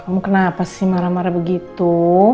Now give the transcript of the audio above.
kamu kenapa sih marah marah begitu